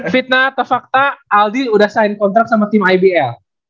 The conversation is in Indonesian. fitnah atau fakta aldi sudah sign kontrak sama tim ibl